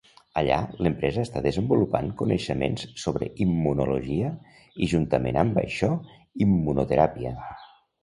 Allà, l'empresa està desenvolupant coneixements sobre immunologia, i juntament amb això, d'immunoteràpia.